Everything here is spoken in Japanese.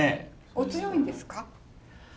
お強いんですか？